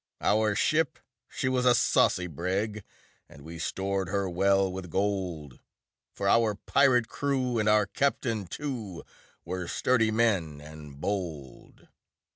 Our ship she was a saucy brig, And we stored her well with gold; For our pirate ere v and our captain, too, Were sturdy men and bold.